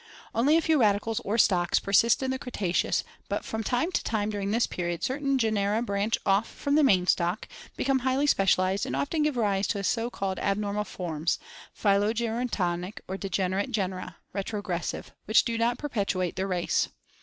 Only a few radicles or stocks persist in the Cretaceous, but from time to time during this period certain genera branch off from the main stock, become highly specialized and often give rise to so called abnormal forms, phylogerontic or degenerate genera (retro gressive), which do not perpetuate their race.